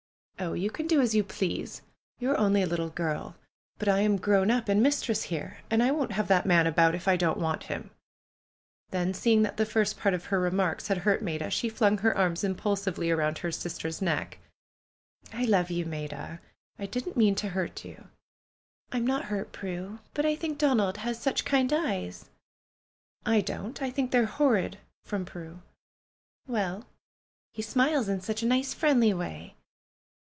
"Oh, you can do as you please ! You are only a little PRUE'S GARDENER 183 girl. But I am grown up and mistress here, and I won't have that man about if I don't want him" Then, seeing that the first part of her remarks had hurt Maida she fiung her arms impulsively around her sister's neck. love you, Maida ! I didn't mean to hurt you !" '^I'm not hurt, Prue. But I think Donald has such kind eyes !" don't ! I think they are horrid!" from Prue. ^^Well ! He smiles in such a nice, friendly way